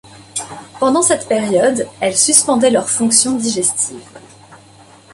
Pendant cette période elles suspendaient leurs fonctions digestives.